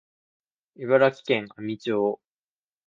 茨城県阿見町